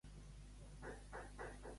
A pur de.